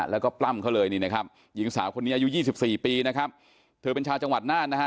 แล้วก็ปล้ำเขาเลยนี่นะครับหญิงสาวคนนี้อายุ๒๔ปีนะครับเธอเป็นชาวจังหวัดน่านนะฮะ